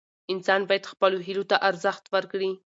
انسان باید خپلو هیلو ته ارزښت ورکړي.